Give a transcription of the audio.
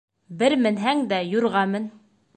Бер менһәң дә юрға мен.